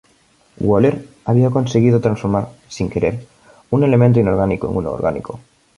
Wöhler había conseguido transformar, sin querer, un elemento inorgánico en uno orgánico.